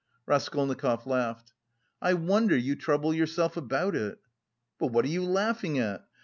Raskolnikov laughed. "I wonder you trouble yourself about it!" "But what are you laughing at?